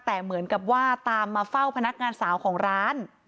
แต่เหมือนกับว่าตามมาเฝ้าพนักงานสาวของร้าน